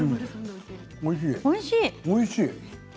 おいしい。